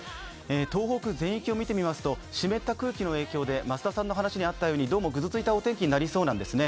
東北全域を見てみますと、湿った空気の影響でどうもぐずついたお天気になりそうなんですね